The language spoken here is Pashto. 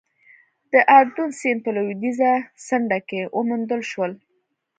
د اردون سیند په لوېدیځه څنډه کې وموندل شول.